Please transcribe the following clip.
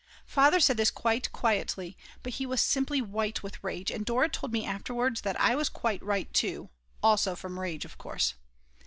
Father said this quite quietly, but he was simply white with rage, and Dora told me afterwards that I was quite white too, also from rage of course.